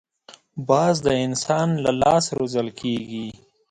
باز د انسان له لاس روزل کېږي